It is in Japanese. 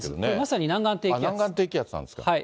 これまさに南南岸低気圧なんですか。